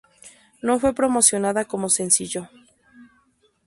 No fue promocionada como sencillo.